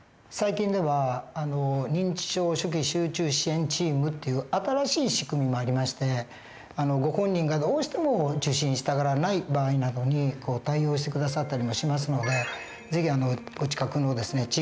最近では認知症初期集中支援チームっていう新しい仕組みもありましてご本人がどうしても受診したがらない場合などに対応して下さったりもしますので是非お近くのですね